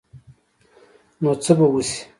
نو څه به وشي ؟